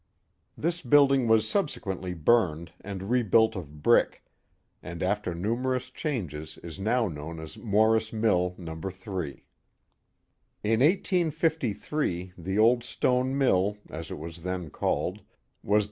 This building was subsequently burned and rebuilt of brick, and after numerous changes is now known as Morris Mill No. 3. In 1853 the old stone mill, as it was then called, was de.